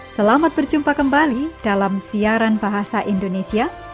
selamat berjumpa kembali dalam siaran bahasa indonesia